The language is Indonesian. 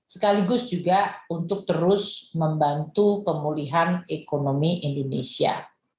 sekaligus juga untuk terus membantu pemulihan ekonomi indonesia